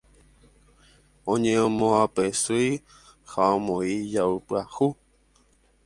oñemoapesýi ha omoĩ ijao pyahu